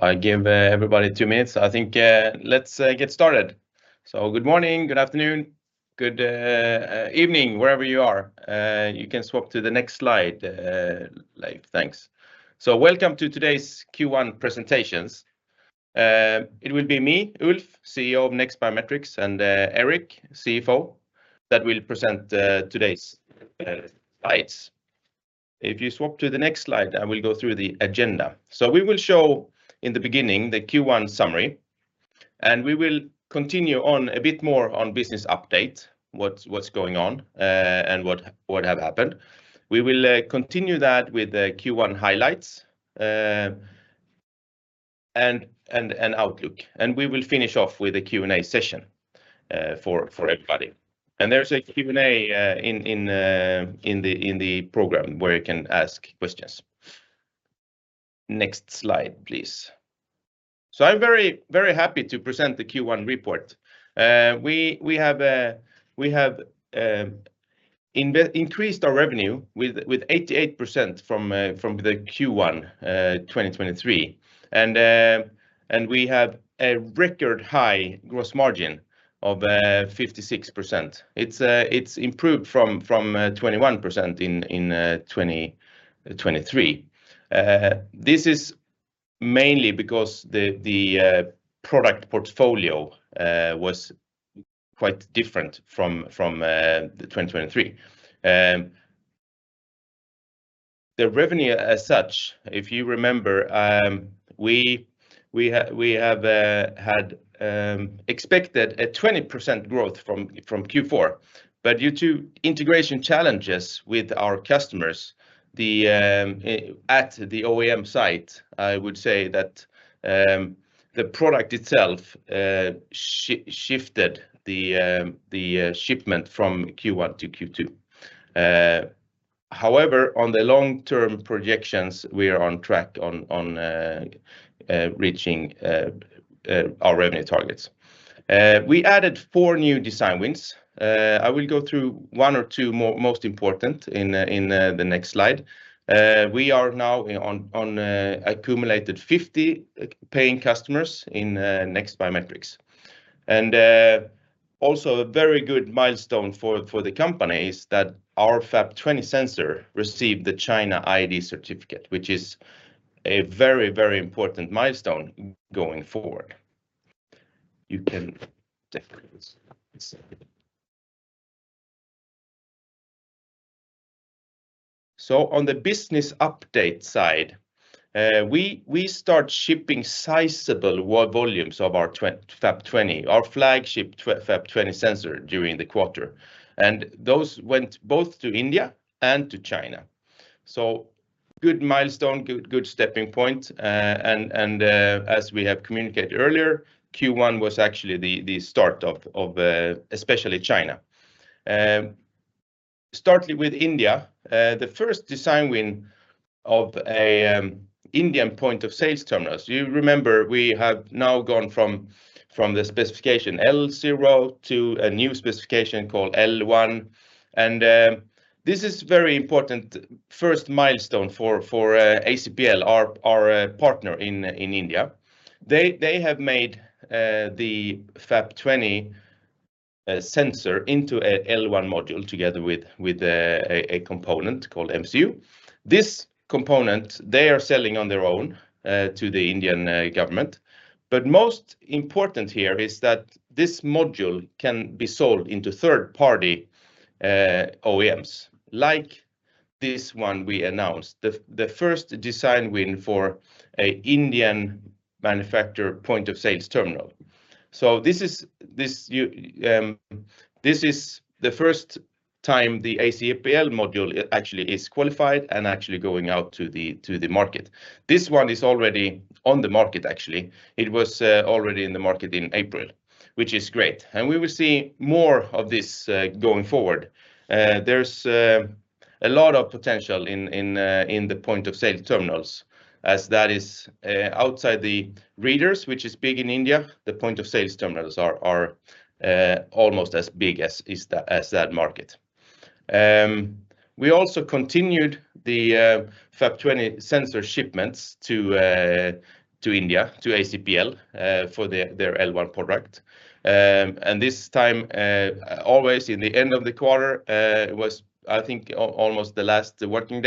I give everybody two minutes. I think, let's get started. So good morning, good afternoon, good evening, wherever you are. You can swap to the next slide, like, thanks. So welcome to today's Q1 presentations. It will be me, Ulf, CEO of NEXT Biometrics, and Eirik, CFO, that will present today's slides. If you swap to the next slide, I will go through the agenda. So we will show, in the beginning, the Q1 summary, and we will continue on a bit more on business update, what's going on, and what have happened. We will continue that with the Q1 highlights, and outlook, and we will finish off with a Q&A session, for everybody. There's a Q&A in the program where you can ask questions. Next slide, please. I'm very, very happy to present the Q1 report. We have increased our revenue with 88% from the Q1 2023. And we have a record high gross margin of 56%. It's improved from 21% in 2023. This is mainly because the product portfolio was quite different from the 2023. The revenue as such, if you remember, we have had expected a 20% growth from Q4, but due to integration challenges with our customers, the at the OEM site, I would say that the product itself shifted the shipment from Q1 to Q2. However, on the long-term projections, we are on track on reaching our revenue targets. We added four new design wins. I will go through one or two more most important in the next slide. We are now on accumulated 50 paying customers in NEXT Biometrics. And also a very good milestone for the company is that our FAP20 sensor received the China ID certificate, which is a very, very important milestone going forward. You can take it. So on the business update side, we start shipping sizable volumes of our FAP20, our flagship FAP20 sensor, during the quarter, and those went both to India and to China. So good milestone, good stepping point, and as we have communicated earlier, Q1 was actually the start of especially China. Starting with India, the first design win of an Indian point-of-sale terminals, you remember, we have now gone from the specification L0 to a new specification called L1, and this is very important first milestone for ACPL, our partner in India. They have made the FAP20 sensor into an L1 module together with a component called MCU. This component, they are selling on their own to the Indian government. But most important here is that this module can be sold into third-party OEMs, like this one we announced, the first design win for an Indian manufacturer point of sale terminal. So this is the first time the ACPL module actually is qualified and actually going out to the market. This one is already on the market, actually. It was already in the market in April, which is great. And we will see more of this going forward. There's a lot of potential in the point of sale terminals, as that is outside the readers, which is big in India, the point of sale terminals are almost as big as that market. We also continued the FAP20 sensor shipments to India, to ACPL, for their L1 product. And this time, always in the end of the quarter, was, I think, almost the last working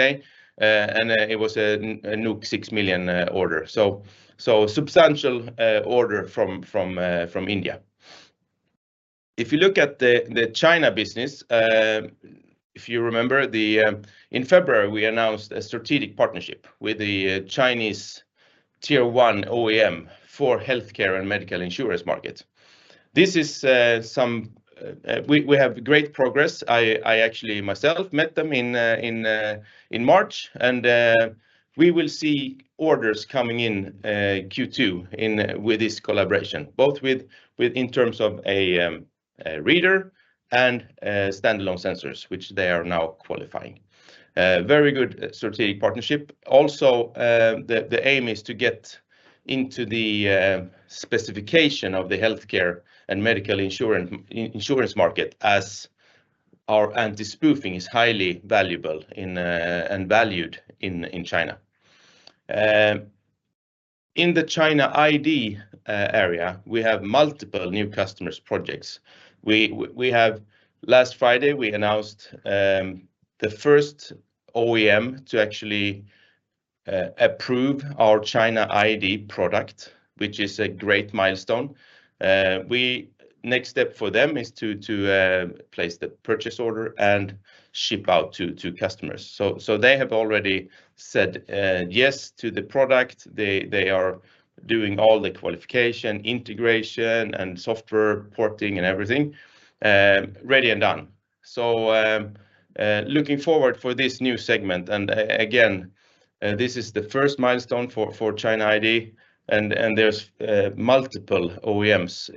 day, and it was a new 6 million order. So substantial order from India. If you look at the China business, if you remember, in February, we announced a strategic partnership with the Chinese Tier 1 OEM for healthcare and medical insurance market. This is some we have great progress. I actually myself met them in March, and we will see orders coming in Q2 with this collaboration, both with in terms of a reader and standalone sensors, which they are now qualifying. Very good strategic partnership. Also, the aim is to get into the specification of the healthcare and medical insurance market as our anti-spoofing is highly valuable in and valued in China. In the China ID area, we have multiple new customers projects. Last Friday, we announced the first OEM to actually approve our China ID product, which is a great milestone. Next step for them is to place the purchase order and ship out to customers. So they have already said yes to the product. They are doing all the qualification, integration, and software porting, and everything ready and done. So, looking forward for this new segment, and again, this is the first milestone for China ID, and there's multiple OEMs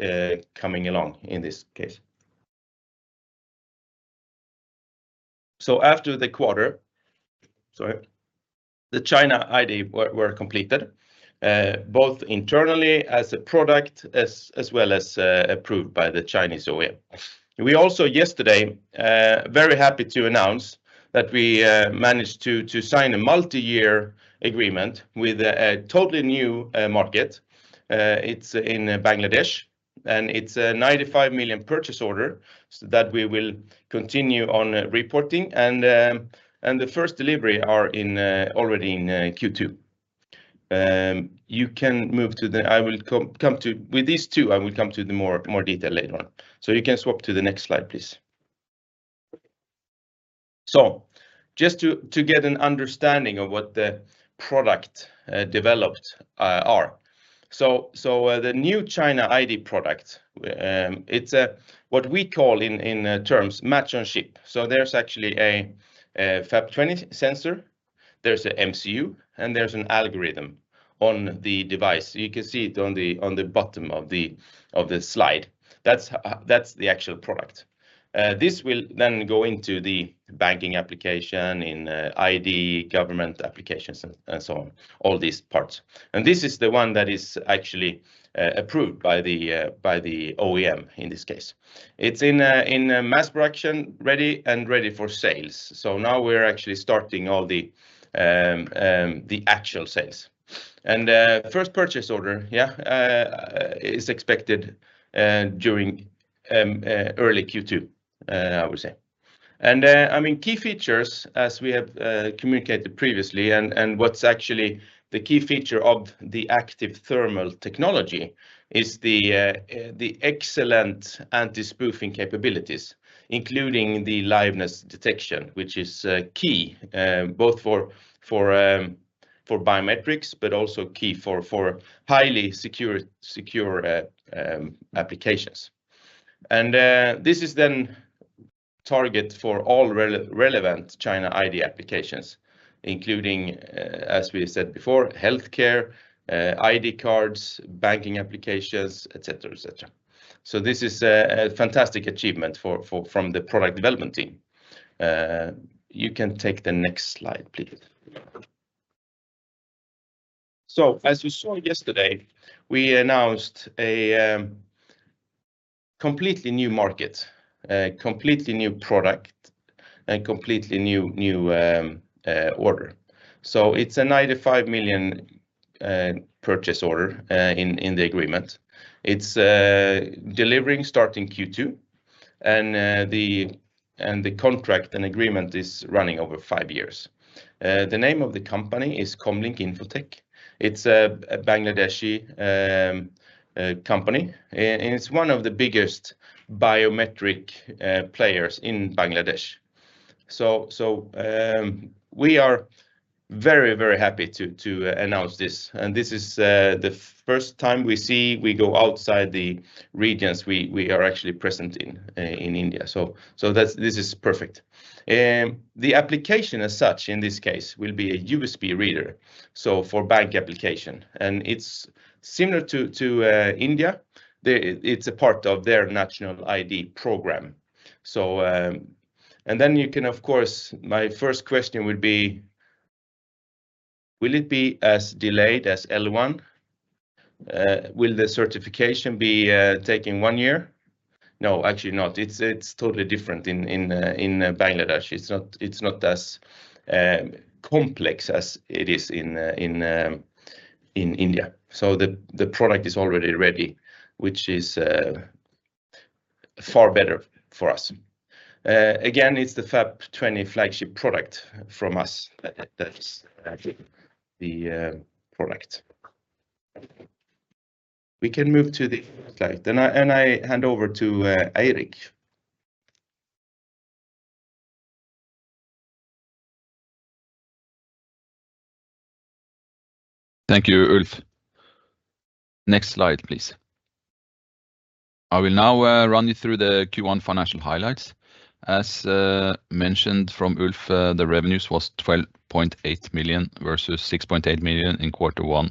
coming along in this case. So after the quarter, sorry, the China ID were completed both internally as a product, as well as approved by the Chinese OEM. We also, yesterday, very happy to announce that we managed to sign a multi-year agreement with a totally new market. It's in Bangladesh, and it's a 95 million purchase order so that we will continue on reporting and the first delivery are already in Q2. You can move to the... I will come to with these two, I will come to the more detail later on. So you can swap to the next slide, please. So just to get an understanding of what the product developed are. So the new China ID product, it's a what we call in terms match-on-chip. So there's actually a FAP20 sensor, there's a MCU, and there's an algorithm on the device. You can see it on the bottom of the slide. That's the actual product. This will then go into the banking application, in ID, government applications, and so on, all these parts. And this is the one that is actually approved by the OEM in this case. It's in a mass production, ready for sales. So now we're actually starting all the actual sales. And first purchase order, yeah, is expected during early Q2, I would say. And I mean, key features as we have communicated previously and what's actually the key feature of the Active Thermal technology is the excellent anti-spoofing capabilities, including the liveness detection, which is key both for biometrics, but also key for highly secure applications. And this is then target for all relevant China ID applications, including as we said before, healthcare ID cards, banking applications, et cetera, et cetera. So this is a fantastic achievement from the product development team. You can take the next slide, please. So as you saw yesterday, we announced a completely new market, a completely new product, and completely new order. So it's a 95 million purchase order in the agreement. It's delivering starting Q2, and the contract and agreement is running over five years. The name of the company is Commlink Info Tech. It's a Bangladeshi company, and it's one of the biggest biometric players in Bangladesh. So we are very, very happy to announce this, and this is the first time we see we go outside the regions we are actually present in India. So that's this is perfect. The application as such, in this case, will be a USB reader, so for bank application, and it's similar to India. It's a part of their national ID program. So, and then you can, of course, my first question would be, will it be as delayed as L1? Will the certification be taking one year? No, actually not. It's totally different in Bangladesh. It's not as complex as it is in India. So the product is already ready, which is far better for us. Again, it's the FAP20 flagship product from us. That's the product. We can move to the next slide, and I hand over to Eirik. Thank you, Ulf. Next slide, please. I will now run you through the Q1 financial highlights. As mentioned from Ulf, the revenues was 12.8 million versus 6.8 million in quarter one,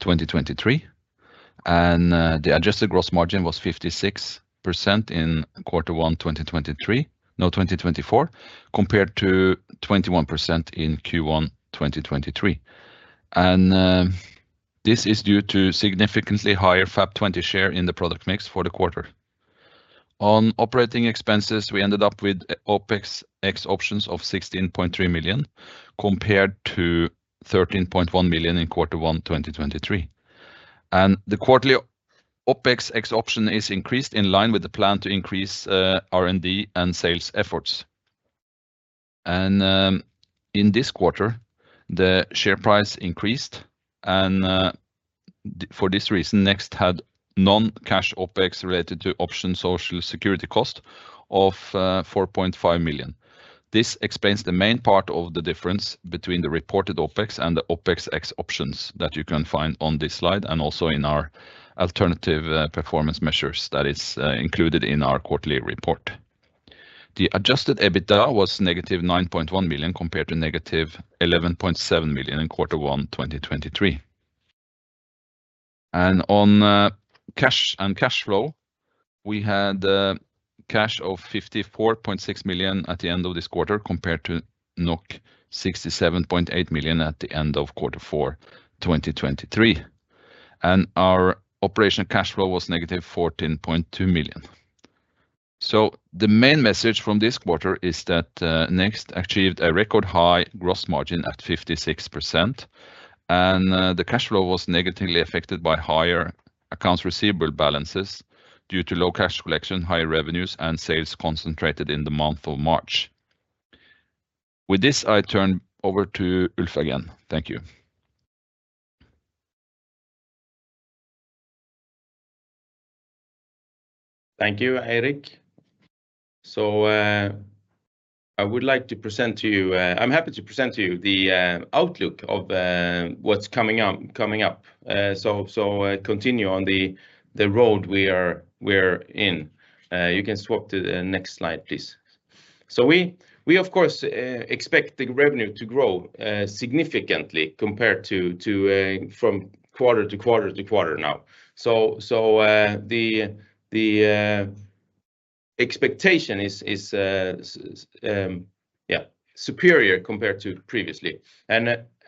2023. The adjusted gross margin was 56% in quarter one, 2023, no, 2024, compared to 21% in Q1, 2023. This is due to significantly higher FAP20 share in the product mix for the quarter. On operating expenses, we ended up with OpEx ex options of 16.3 million, compared to 13.1 million in quarter one, 2023. The quarterly OpEx ex option is increased in line with the plan to increase R&D and sales efforts. In this quarter, the share price increased, and for this reason, NEXT had non-cash OpEx related to option social security cost of 4.5 million. This explains the main part of the difference between the reported OpEx and the OpEx ex options that you can find on this slide, and also in our alternative performance measures that is included in our quarterly report. The adjusted EBITDA was -9.1 million, compared to -11.7 million in quarter one, 2023. On cash and cash flow, we had cash of 54.6 million at the end of this quarter, compared to 67.8 million at the end of quarter four, 2023, and our operational cash flow was -14.2 million. So the main message from this quarter is that, NEXT achieved a record high gross margin at 56%, and, the cash flow was negatively affected by higher accounts receivable balances due to low cash collection, high revenues, and sales concentrated in the month of March. With this, I turn over to Ulf again. Thank you. Thank you, Eirik. So, I would like to present to you... I'm happy to present to you the outlook of what's coming up, coming up. So, continue on the road we're in. You can swap to the next slide, please. So we, of course, expect the revenue to grow significantly compared to from quarter to quarter to quarter now. So, the expectation is, yeah, superior compared to previously.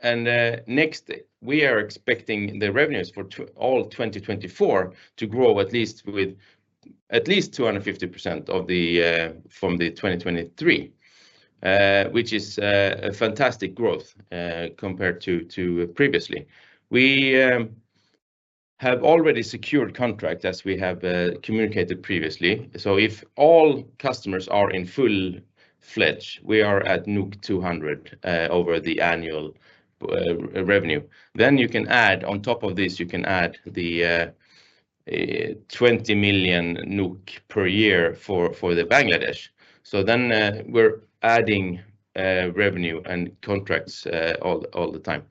Next, we are expecting the revenues for all of 2024 to grow at least 250% from the 2023, which is a fantastic growth compared to previously. We have already secured contract, as we have communicated previously. So if all customers are in full-fledged, we are at 200 million over the annual revenue. Then you can add, on top of this, you can add the 20 million NOK per year for Bangladesh. So then, we're adding revenue and contracts all the time.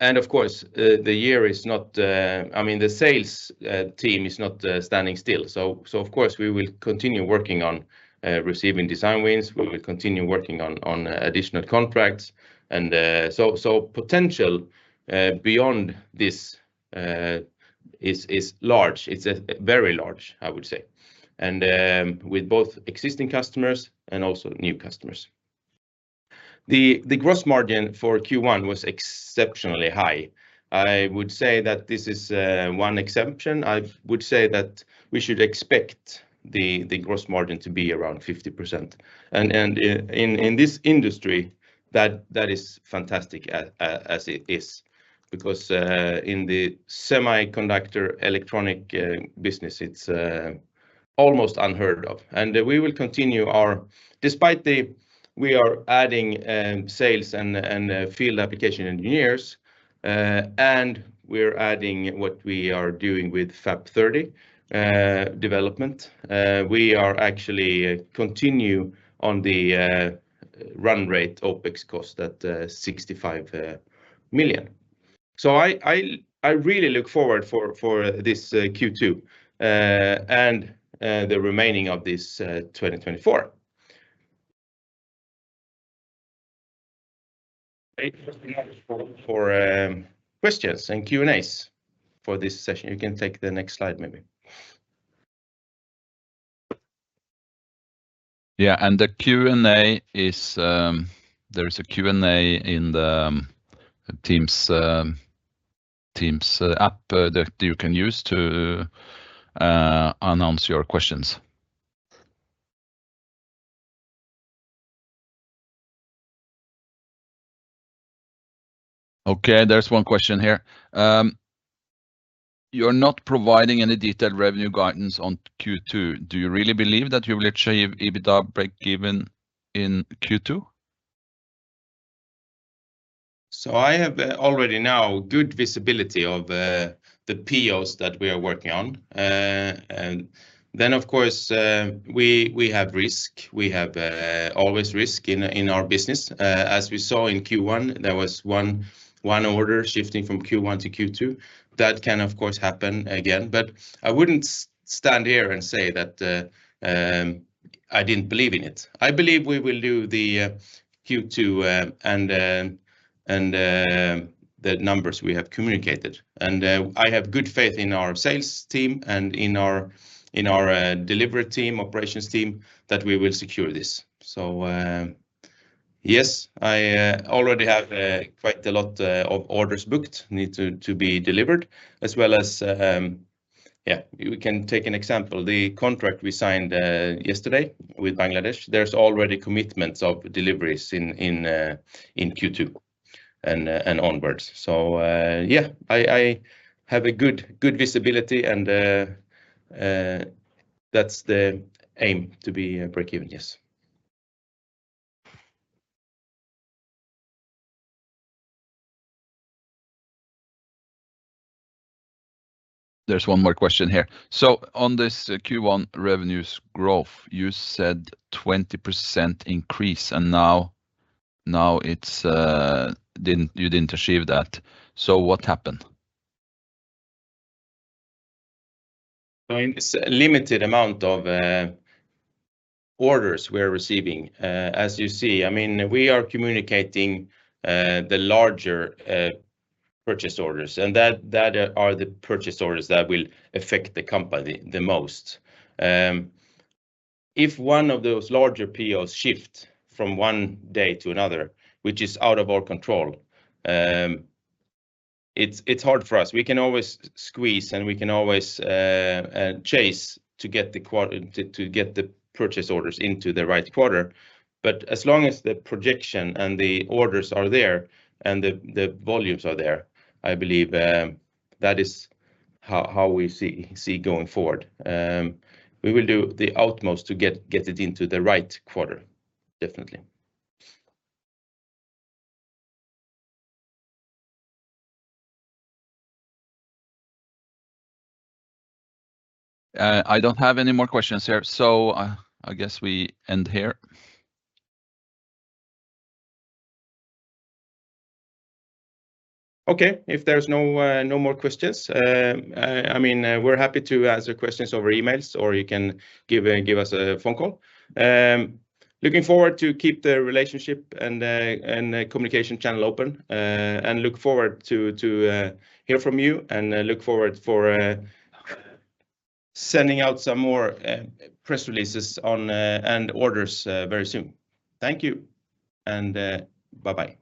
And of course, the year is not, I mean, the sales team is not standing still. So of course, we will continue working on receiving design wins. We will continue working on additional contracts and. So potential beyond this is large. It's a very large, I would say, and with both existing customers and also new customers. The gross margin for Q1 was exceptionally high. I would say that this is one exception. I would say that we should expect the gross margin to be around 50%. And in this industry, that is fantastic as it is, because in the semiconductor electronic business, it's almost unheard of. And we will continue our... Despite the, we are adding sales and field application engineers, and we're adding what we are doing with FAP30 development, we are actually continue on the run rate OpEx cost at 65 million. So I really look forward for this Q2 and the remaining of this 2024. For questions and Q&As for this session. You can take the next slide, maybe. Yeah, and the Q&A is, there is a Q&A in the Teams, Teams, app, that you can use to announce your questions. Okay, there's one question here. You're not providing any detailed revenue guidance on Q2. Do you really believe that you will achieve EBITDA breakeven in Q2? So I have already now good visibility of the POs that we are working on. And then, of course, we have risk. We have always risk in our business. As we saw in Q1, there was one order shifting from Q1 to Q2. That can, of course, happen again, but I wouldn't stand here and say that I didn't believe in it. I believe we will do the Q2 and the numbers we have communicated. And I have good faith in our sales team and in our delivery team, operations team, that we will secure this. So yes, I already have quite a lot of orders booked need to be delivered, as well as... Yeah, we can take an example. The contract we signed yesterday with Bangladesh, there's already commitments of deliveries in Q2 and onwards. So, yeah, I have a good visibility and that's the aim, to be break even, yes. There's one more question here. So on this Q1 revenues growth, you said 20% increase, and now it's, you didn't achieve that. So what happened? So it's a limited amount of orders we're receiving. As you see, I mean, we are communicating the larger purchase orders, and that are the purchase orders that will affect the company the most. If one of those larger POs shift from one day to another, which is out of our control, it's hard for us. We can always squeeze, and we can always chase to get the purchase orders into the right quarter. But as long as the projection and the orders are there and the volumes are there, I believe that is how we see going forward. We will do the utmost to get it into the right quarter, definitely. I don't have any more questions here, so, I guess we end here. Okay. If there's no more questions, I mean, we're happy to answer questions over emails, or you can give us a phone call. Looking forward to keep the relationship and communication channel open, and look forward to hear from you and look forward for sending out some more press releases on and orders very soon. Thank you, and bye-bye.